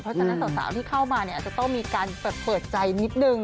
เพราะฉะนั้นสาวที่เข้ามาเนี่ยอาจจะต้องมีการเปิดใจนิดนึง